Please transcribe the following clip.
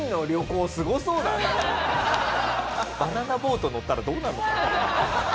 バナナボート乗ったらどうなるのかな。